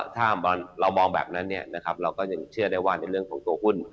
ถ้าเรามองแบบนั้นเราก็ยังเชื่อได้ว่าในเรื่องของตัวหุ้น